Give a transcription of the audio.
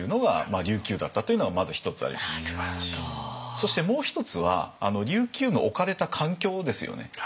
そしてもう一つは琉球の置かれた環境ですよね。